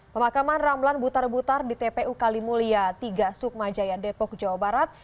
pemakaman ramlan butar butar di tpu kalimulia tiga sukma jaya depok jawa barat